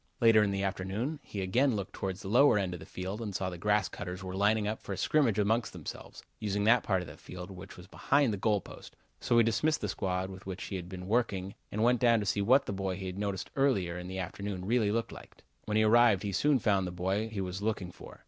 Later in the afternoon he again looked towards the lower end of the field and saw that the grass cutters were lining up for a scrimmage among themselves, using that part of the field, which was behind the goal post, so he dismissed the squad with which he had been working and went down to see what the boy he had noticed early in the afternoon really looked like. When he arrived he soon found the boy he was looking for.